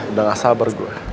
udah gak sabar gue